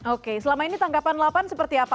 oke selama ini tangkapan delapan seperti apa